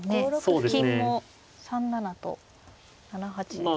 金も３七と７八ですからね。